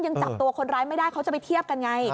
ยังจับตัวคนร้ายไม่ได้เขาจะไปเทียบกันไง